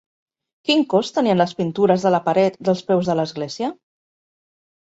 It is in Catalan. Quin cost tenien les pintures de la paret dels peus de l'església?